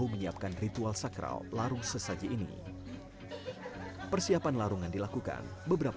menjadi hiburan bagi penduduk desa